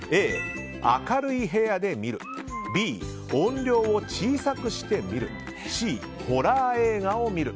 Ａ、明るい部屋で見るＢ、音量を小さくして見るＣ、ホラー映画を見る。